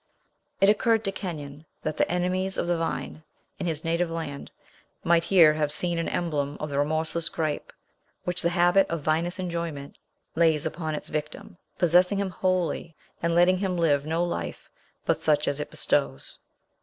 It occurred to Kenyon, that the enemies of the vine, in his native land, might here have seen an emblem of the remorseless gripe, which the habit of vinous enjoyment lays upon its victim, possessing him wholly, and letting him live no life but such as it bestows.